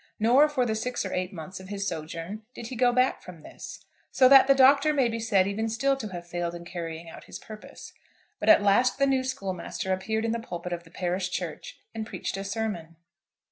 Nor for the six or eight months of his sojourn did he go back from this; so that the Doctor may be said even still to have failed in carrying out his purpose. But at last the new schoolmaster appeared in the pulpit of the parish church and preached a sermon.